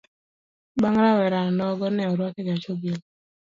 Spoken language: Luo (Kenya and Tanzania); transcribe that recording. Bang'e rawera nogo ne orwak egach obila.